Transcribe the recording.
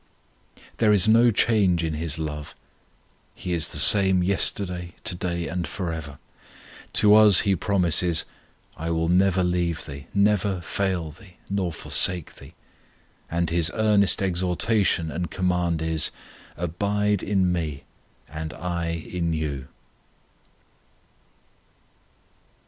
There is no change in His love; He is the same yesterday, to day, and for ever. To us He promises, "I will never leave thee, never fail thee, nor forsake thee"; and His earnest exhortation and command is, "Abide in Me, and I in you."